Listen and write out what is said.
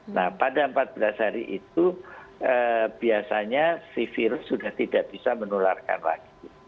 nah pada empat belas hari itu biasanya si virus sudah tidak bisa menularkan lagi